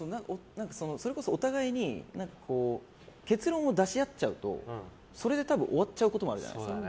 それこそお互いに結論を出し合っちゃうとそれで終わっちゃうこともあるじゃないですか。